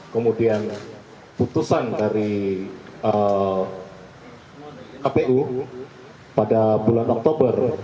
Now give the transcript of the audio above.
kemudian putusan dari kpu pada bulan oktober